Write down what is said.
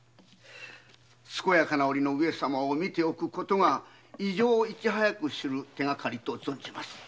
健やかな上様を診ておくことが異常を早く知る手がかりと存じます。